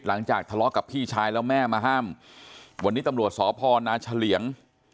หลังจากทะเลาะกับพี่ชายแล้วแม่มาห้ามวันนี้ตำรวจสพนาเฉลี่ยง